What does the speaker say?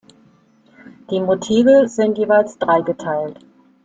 Die Motive sind jeweils dreigeteilt.